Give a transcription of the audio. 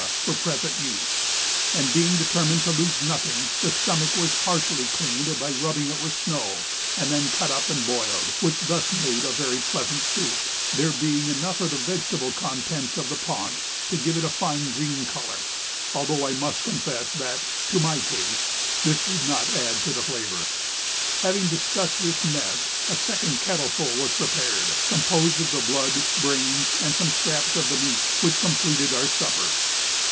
for present use; and being determined to lose nothing, the stomach was partially cleaned by rubbing it with snow, and then cut up and boiled, which thus made a very pleasant soup, there being enough of the vegetable contents of the paunch to give it a fine green colour, although I must confess that, to my taste, this did not add to the flavour. Having discussed this mess, a second kettle full was prepared, composed of the blood, brains, and some scraps of the meat, which completed our supper.